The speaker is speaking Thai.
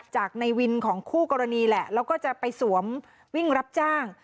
จากในวินของคู่กรณีแหละแล้วก็จะไปสวมวิ่งรับจ้าง